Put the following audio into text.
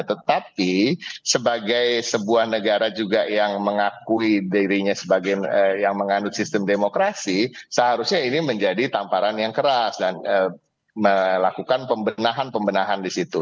tetapi sebagai sebuah negara juga yang mengakui dirinya sebagai yang mengandung sistem demokrasi seharusnya ini menjadi tamparan yang keras dan melakukan pembenahan pembenahan di situ